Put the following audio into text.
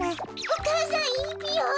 お母さんいいぴよ？